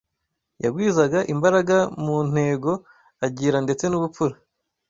yagwizaga imbaraga mu ntego agira ndetse n’ubupfura